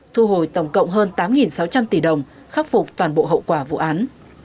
thu hồi tổng cộng hơn tám sáu trăm linh tỷ đồng khắc phục toàn bộ hậu quả vụ án